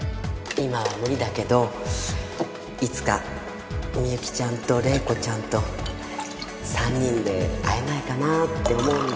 今は無理だけどいつか美由紀ちゃんと玲子ちゃんと３人で会えないかなって思うんだ。